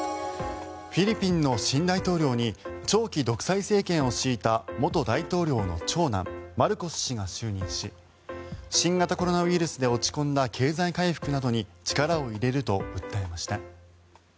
フィリピンの新大統領に長期独裁政権を敷いた元大統領の長男マルコス氏が就任し新型コロナウイルスで落ち込んだ経済回復などに力を入れると訴えました。